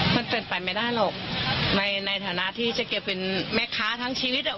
มันเป็นไปไม่ได้หรอกในฐานะที่เจ๊เกียวเป็นแม่ค้าทั้งชีวิตอ่ะ